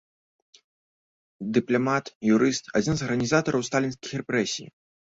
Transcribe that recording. Дыпламат, юрыст, адзін з арганізатараў сталінскіх рэпрэсій.